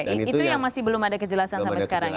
dan itu yang masih belum ada kejelasan sampai sekarang ya